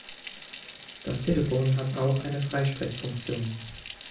Das Telefon hat auch eine Freisprechfunktion.